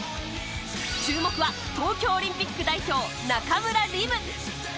注目は東京オリンピック代表・中村輪夢。